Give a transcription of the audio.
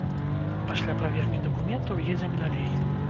Пасля праверкі дакументаў едзем далей.